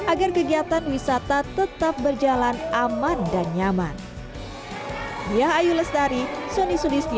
agar kegiatan wisata tetap berjalan aman dan nyaman